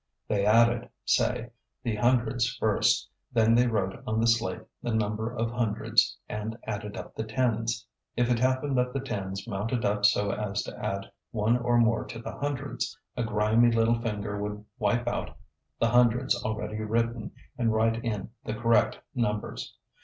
They added, say, the hundreds first; then they wrote on the slate the number of hundreds, and added up the tens. If it happened that the tens mounted up so as to add one or more to the hundreds, a grimy little finger would wipe out the hundreds already written and write in the correct numbers.